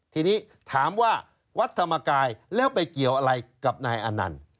ทีนี้ถามว่าวัดธรรมกายแล้วไปเกี่ยวอะไรกับนายอนันต์